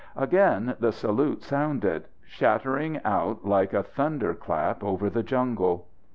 Again the salute sounded shattering out like a thunderclap over the jungle.